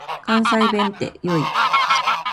関西弁って良い。